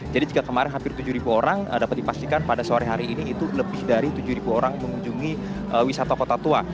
jadi jika kemarin hampir tujuh orang dapat dipastikan pada sore hari ini itu lebih dari tujuh orang mengunjungi wisata kota tua